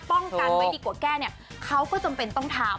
ป้องกันไว้ดีกว่าแก้เนี่ยเขาก็จำเป็นต้องทำ